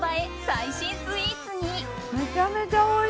最新スイーツに。